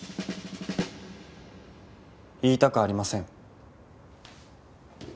言いたくありません。